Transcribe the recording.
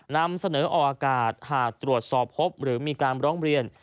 นำเสนอออกอากาศหากตรวจสอบพบหรือมีการร้องเรียน